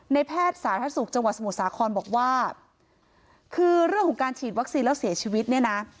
แพทย์สาธารณสุขจังหวัดสมุทรสาครบอกว่าคือเรื่องของการฉีดวัคซีนแล้วเสียชีวิตเนี่ยนะ